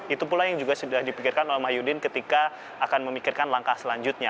itu pula yang juga sudah dipikirkan oleh mahyudin ketika akan memikirkan langkah selanjutnya